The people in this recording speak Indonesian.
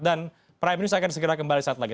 dan prime news akan segera kembali saat lagi